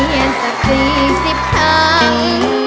เปลี่ยนสักปีสิบทั้ง